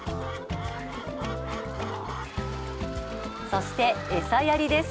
そして、餌やりです。